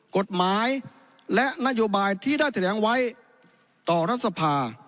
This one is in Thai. กฎหมายและนโยบายที่ได้แสดงไว้ต่อรัฐสภา